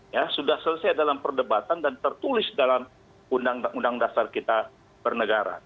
ya sudah selesai dalam perdebatan dan tertulis dalam undang undang dasar kita bernegara